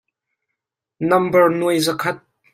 Nambar nuai zakhat.